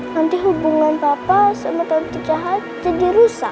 nanti hubungan papa sama tante jahat jadi rusak